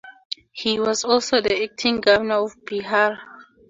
He was also the acting Governor of Bihar.